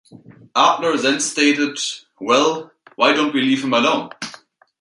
Adler then stated, Well, why don't we leave him alone.